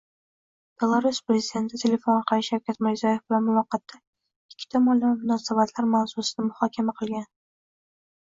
Belarus prezidenti telefon orqali Shavkat Mirziyoyev bilan muloqotda ikki tomonlama munosabatlar mavzusini muhokama qilgan